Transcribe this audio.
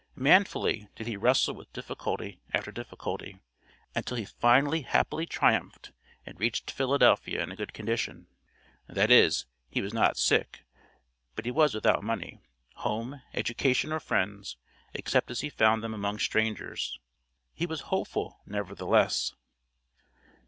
Manfully did he wrestle with difficulty after difficulty, until he finally happily triumphed and reached Philadelphia in a good condition that is, he was not sick, but he was without money home education or friends, except as he found them among strangers. He was hopeful, nevertheless.